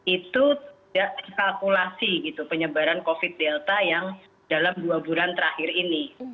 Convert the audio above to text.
itu tidak terkalkulasi gitu penyebaran covid delta yang dalam dua bulan terakhir ini